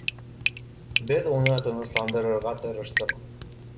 — Беҙ уны тынысландырырға тырыштыҡ.